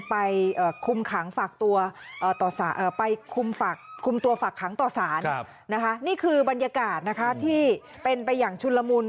ไปคุมตัวฝักขังต่อสาร